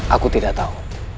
aku tidak tahu